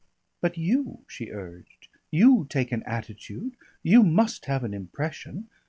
"But you," she urged, "you take an attitude, you must have an impression.